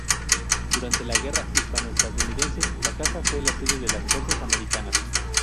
Durante Guerra hispano-estadounidense, la casa fue la sede de las fuerzas americanas.